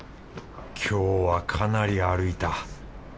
今日はかなり歩いた。